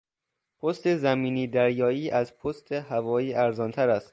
پست زمینی دریایی از پست هوایی ارزانتر است.